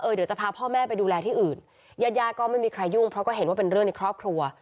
เดี๋ยวจะพาพ่อแม่ไปดูแลที่อื่นญาติญาติก็ไม่มีใครยุ่งเพราะก็เห็นว่าเป็นเรื่องในครอบครัว